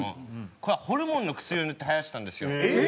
これはホルモンの薬を塗って生やしたんですよ。